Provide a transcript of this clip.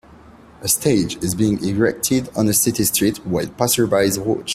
A stage is being erected on a city street while passersby watch.